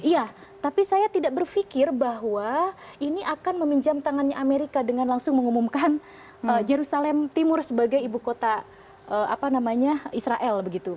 iya tapi saya tidak berpikir bahwa ini akan meminjam tangannya amerika dengan langsung mengumumkan jerusalem timur sebagai ibu kota israel begitu